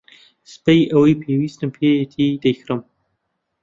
سبەی ئەوەی پێویستم پێیەتی دەیکڕم.